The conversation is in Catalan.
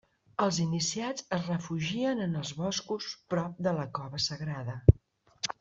Els iniciats es refugien en els boscos prop de la cova sagrada.